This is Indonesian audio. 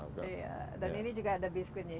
dan ini juga ada biskuitnya